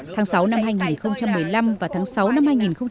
tháng sáu năm hai nghìn một mươi năm và tháng sáu năm hai nghìn một mươi chín